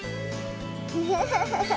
ハハハハ。